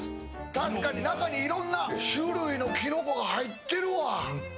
確かに中にいろんな種類のキノコが入ってるわ。